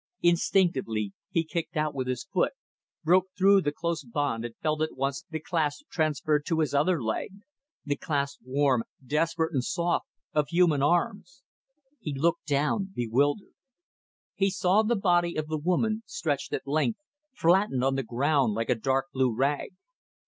Instinctively, he kicked out with his foot, broke through the close bond and felt at once the clasp transferred to his other leg; the clasp warm, desperate and soft, of human arms. He looked down bewildered. He saw the body of the woman stretched at length, flattened on the ground like a dark blue rag.